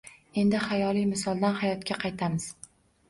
Endi xayoliy misoldan hayotga qaytamiz.